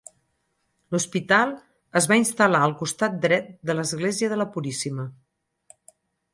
L'hospital es va instal·lar al costat dret de l'església de la Puríssima.